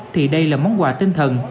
thì đây là món quà tinh thần